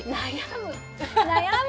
悩む！